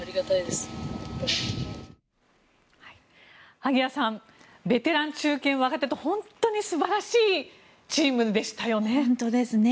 萩谷さんベテラン、中堅、若手と本当に素晴らしいチームでしたよね。